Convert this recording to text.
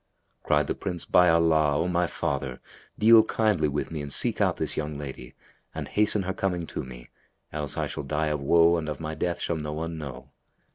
Cried the Prince, "By Allah, O my father, deal kindly with me and seek out this young lady and hasten her coming to me; else I shall die of woe and of my death shall no one know."